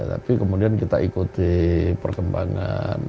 tapi kemudian kita ikuti perkembangan